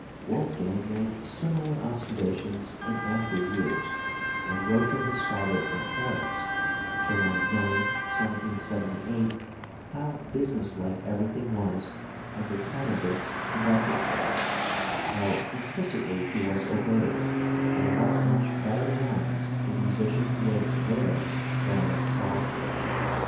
Wolfgang made similar observations in after years, and wrote to his father from Paris (July 9,1778) how businesslike everything was under Cannabich's conductorship, how implicitly he was obeyed, and what much better lives the musicians lived there than at Salzburg.